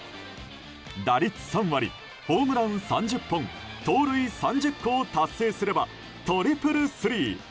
打率３割、ホームラン３０本盗塁３０個を達成すればトリプルスリー。